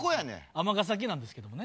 尼崎なんですけどもね。